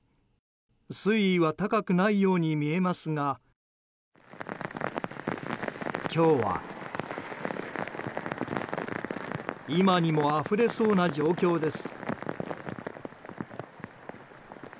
水位は高くないように見えますが今日は今にもあふれそうな状況です。